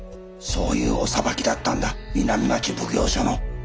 そういうお裁きだったんだ南町奉行所の。